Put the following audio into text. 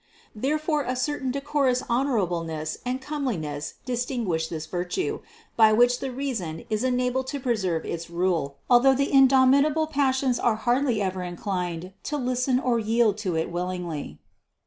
There fore a certain decorous honorableness and comeliness dis tinguish this virtue, by which the reason is enabled to preserve its rule, although the indomitable passions are hardly ever inclined to listen or yield to it willingly.